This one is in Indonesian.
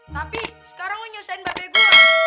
tapi sekarang lu nyusahin babi gua